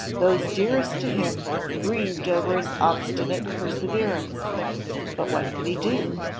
Those dearest to him grieved over his obstinate perseverance. But what could he do?